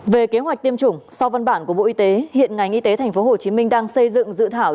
về kế hoạch tiêm chủng sau văn bản của bộ y tế hiện ngành y tế tp hcm đang xây dựng dự thảo